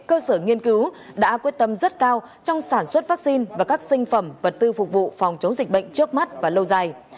cơ sở nghiên cứu đã quyết tâm rất cao trong sản xuất vaccine và các sinh phẩm vật tư phục vụ phòng chống dịch bệnh trước mắt và lâu dài